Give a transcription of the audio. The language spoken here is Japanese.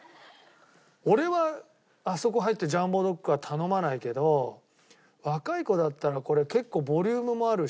俺はあそこ入ってジャンボドックは頼まないけど若い子だったらこれ結構ボリュームもあるし。